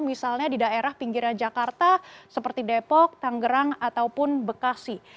misalnya di daerah pinggirnya jakarta seperti depok tanggerang ataupun bekasi